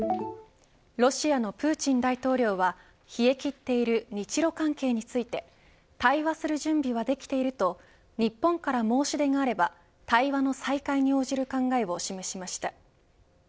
ロシアのプーチン大統領は冷え切っている日ロ関係について対話する準備はできていると日本から申し出があれば対話の再開に応じる考えを示しました。